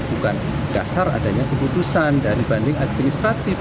bukan dasar adanya keputusan dari banding administratif